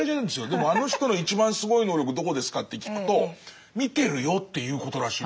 でもあの人の一番すごい能力どこですかって聞くと「見てるよ」っていうことらしい。